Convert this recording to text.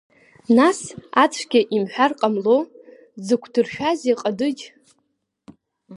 Нас, ацәгьа имҳәар ҟамло, дзықәдыршәазеи ҟадыџь?